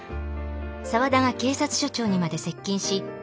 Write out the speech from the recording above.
沢田が警察署長にまで接近し佳奈